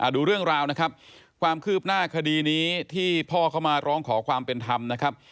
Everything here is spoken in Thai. ดูเรื่องราวนะครับความคืบหน้าคดีนี้ที่พ่อเขามาร้องขอความเป็นธรรมนะครับ